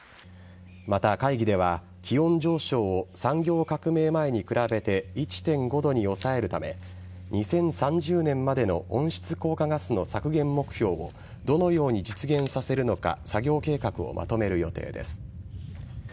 また会議では、気温上昇を産業革命前に比べて１．５度に抑えるため、２０３０年までの温室効果ガスの削減目標をどのように実現させるのか、作業計画をまとめる予定です。